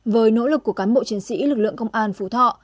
với nỗ lực của cán bộ chiến sĩ lực lượng công an phú thọ